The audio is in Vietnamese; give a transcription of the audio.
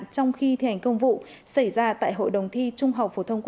trong khi thi hành công vụ xảy ra tại hội đồng thi trung học phổ thông quốc